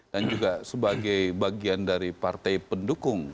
dan juga sebagai bagian dari partai pendukung